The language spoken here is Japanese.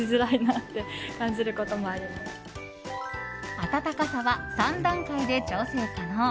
温かさは３段階で調整可能。